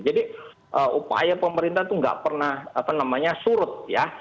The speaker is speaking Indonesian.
jadi upaya pemerintah itu nggak pernah surut ya